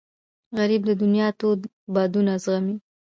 غریب د دنیا تود بادونه زغمي